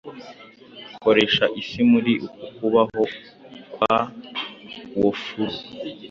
Koresha isi muri uku kubaho kwa wofulu